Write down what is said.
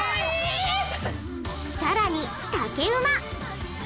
さらに竹馬！